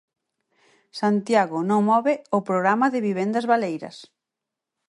Santiago non move o Programa de vivendas baleiras.